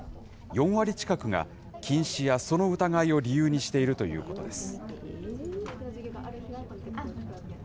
４割近くが近視やその疑いを理由にしているということです。